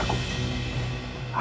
aku tidak mungkin berbohong